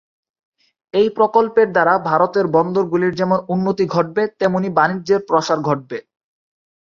এই প্রকল্পের দ্বারা ভারতের বন্দর গুলির যেমন উন্নতি ঘটবে তেমনি বাণিজ্যের প্রসার ঘটবে।